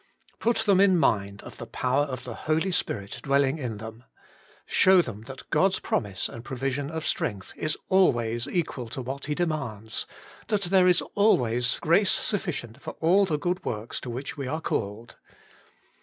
Put them in mind of the power of the Holy Spirit dwelling in them. Show them that God's promise and pro vision of strength is always equal to what He demands ; that there is always grace sufficient for all the good works to which we are called.